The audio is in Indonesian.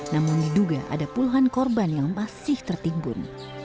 namun diduga ada puluhan korban yang masih tertimbun